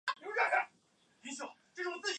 她以精灵和娃娃脸般的外貌而知名。